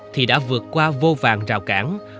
thì đã vượt qua vô vàng rào cản